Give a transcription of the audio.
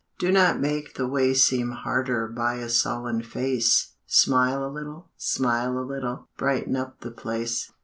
Do not make the way seem harder By a sullen face, Smile a little, smile a little, Brighten up the place.